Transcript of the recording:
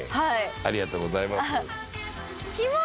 ありがとうございます。